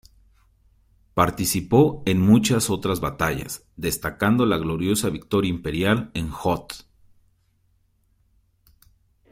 Participó en muchas otras batallas, destacando la gloriosa victoria imperial en Hoth.